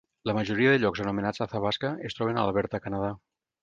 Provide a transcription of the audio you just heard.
La majoria de llocs anomenats Athabasca es troben a Alberta, Canadà.